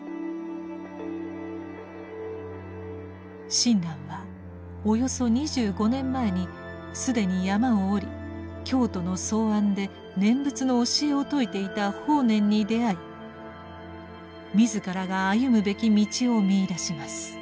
親鸞はおよそ２５年前に既に山を下り京都の草庵で念仏の教えを説いていた法然に出会い自らが歩むべき道を見いだします。